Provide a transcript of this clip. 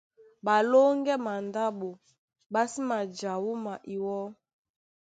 Ɓalóŋgɛ́ mandáɓo ɓá sí maja wúma iwɔ́,